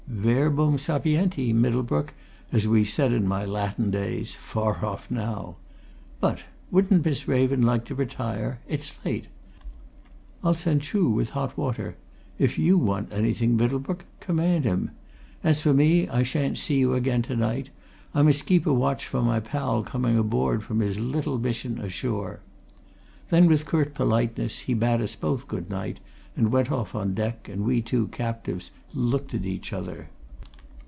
Verbum sapienti, Middlebrook, as we said in my Latin days far off, now! But wouldn't Miss Raven like to retire? it's late. I'll send Chuh with hot water if you want anything, Middlebrook, command him. As for me, I shan't see you again tonight I must keep a watch for my pal coming aboard from his little mission ashore." Then, with curt politeness, he bade us both good night, and went off on deck, and we two captives looked at each other.